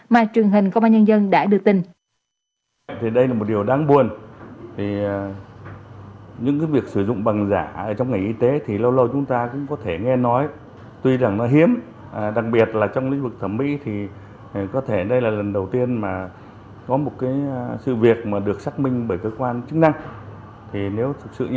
mà truyền hình công an nhân dân đã đưa tin